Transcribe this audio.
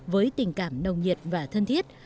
với tình cảm nồng nhiệt và thân thiết